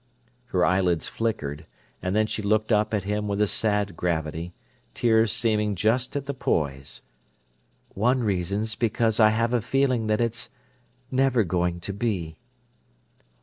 Her eyelids flickered, and then she looked up at him with a sad gravity, tears seeming just at the poise. "One reason's because I have a feeling that it's never going to be."